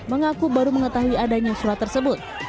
mengaku baru mengetahui adanya surat tersebut